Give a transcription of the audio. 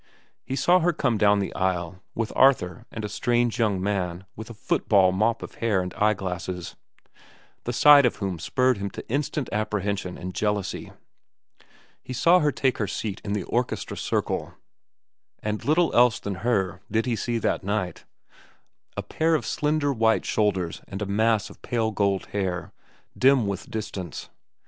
He saw her come down the aisle, with Arthur and a strange young man with a football mop of hair and eyeglasses, the sight of whom spurred him to instant apprehension and jealousy. He saw her take her seat in the orchestra circle, and little else than her did he see that night—a pair of slender white shoulders and a mass of pale gold hair, dim with distance.